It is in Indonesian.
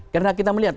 karena kita melihat